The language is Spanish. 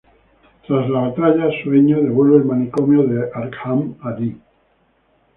Tras la batalla, Sueño devuelve al manicomio de Arkham a Dee.